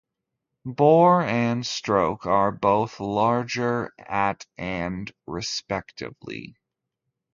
Bore and stroke are both larger at and respectively.